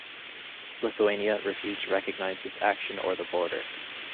Lithuania refused to recognize this action or the border.